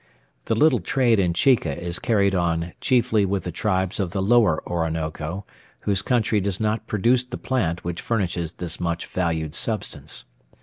The little trade in chica is carried on chiefly with the tribes of the Lower Orinoco, whose country does not produce the plant which furnishes this much valued substance.